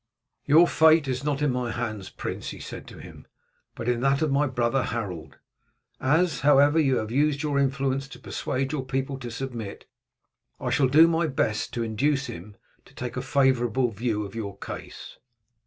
"Your fate is not in my hands, prince," he said to him, "but in that of my brother Harold. As, however, you have used your influence to persuade your people to submit, I shall do my best to induce him to take a favourable view of your case."